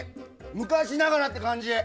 昔ながらって感じ！